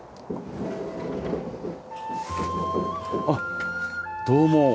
あっどうも。